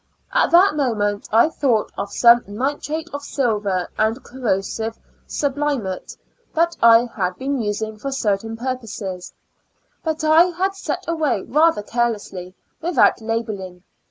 At that moment, I thought of some nitrate of silver and corrosive sublimate that I had been using for certain purposes, that I had set away rather carelessly, without labeling.